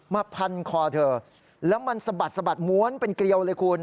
มาพันคอเธอแล้วมันสะบัดม้วนเป็นเกลียวเลยครู